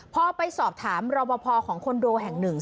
พอไปสอบถามรอปภของคอนโดแห่งหนึ่ง